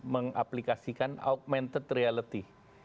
mengaplikasikan augmented reality